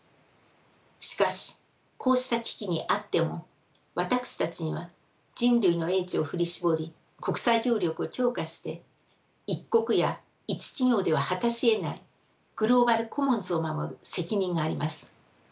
しかしこうした危機にあっても私たちには人類の英知を振り絞り国際協力を強化して一国や一企業では果たしえないグローバル・コモンズを守る責任があります。